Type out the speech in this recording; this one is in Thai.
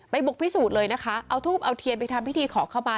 บุกพิสูจน์เลยนะคะเอาทูบเอาเทียนไปทำพิธีขอเข้ามา